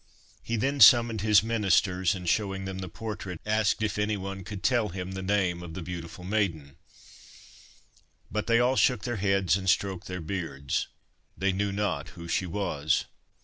He then summoned his ministers, and, showing them the portrait, asked if any one could tell him the name of the beautiful maiden ; but they all shook their heads and stroked their beards They knew not who she was.